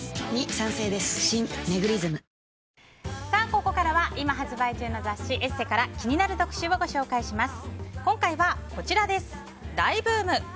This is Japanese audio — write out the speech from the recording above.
ここからは今発売中の「ＥＳＳＥ」から気になる特集をご紹介します。